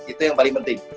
itu yang paling penting